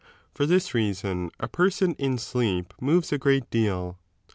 For this reason a person in sleep 19 moves a great deal.